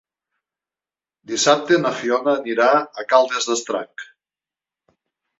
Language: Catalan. Dissabte na Fiona anirà a Caldes d'Estrac.